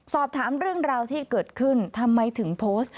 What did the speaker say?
สอบถามเรื่องราวที่เกิดขึ้นทำไมถึงโพสต์